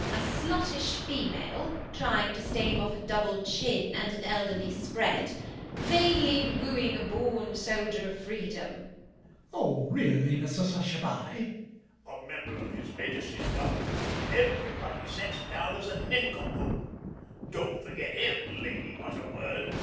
A sluttish female, trying to stave off a double chin and an elderly spread, vainly wooing a born soldier of freedom. MAZZINI. Oh, really, Mrs Hushabye MANGAN. A member of His Majesty's Government that everybody sets down as a nincompoop: don't forget him, Lady Utterword. LADY UTTERWORD.